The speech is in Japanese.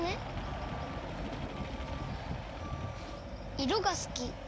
いろがすき。